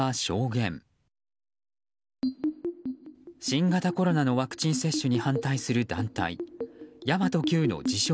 新型コロナのワクチン接種に反対する団体神真都Ｑの自称